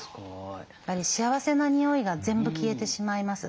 やっぱり幸せな匂いが全部消えてしまいます。